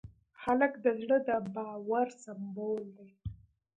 هلک د زړه د باور سمبول دی.